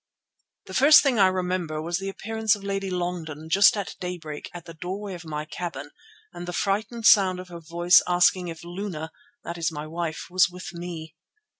"The first thing I remember was the appearance of Lady Longden just at daybreak at the doorway of my cabin and the frightened sound of her voice asking if Luna, that is my wife, was with me.